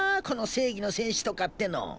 この正義の戦士とかっての。